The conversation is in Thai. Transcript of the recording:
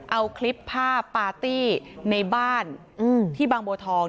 เอาคลิปภาพปาร์ตี้ในบ้านที่บางบัวทอง